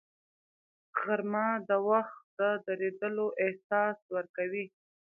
غرمه د وخت د درېدلو احساس ورکوي